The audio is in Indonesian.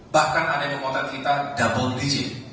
bahkan ada yang memotret kita double digit